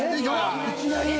いきなり。